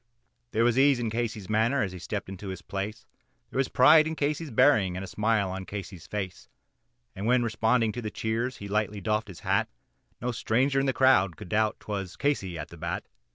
There was ease in Casey's manner as he stepped into his place, There was pride in Casey's bearing and a smile on Casey's face, And when responding to the cheers he lightly doffed his hat, No stranger in the crowd could doubt, 'twas Casey at the bat.